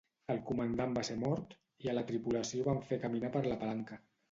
El comandant va ser mort i a la tripulació van fer caminar per la palanca.